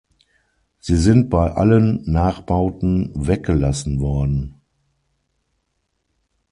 Sie sind bei allen Nachbauten weggelassen worden.